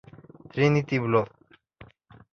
Trinity Blood